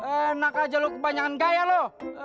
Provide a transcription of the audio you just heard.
enak aja lo kebanyakan gaya lo